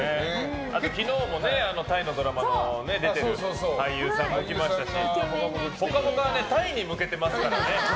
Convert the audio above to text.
昨日もタイのドラマに出てる俳優さんも来ましたし「ぽかぽか」はタイに向けてますから。